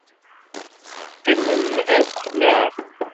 Teqqimem akk, naɣ?